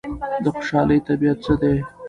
د خوشحالۍ طبیعت څه دی؟